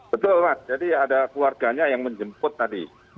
betul mas jadi ada keluarganya yang menjemput tadi